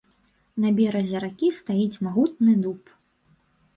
На беразе ракі стаіць магутны дуб.